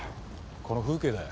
この風景だよ。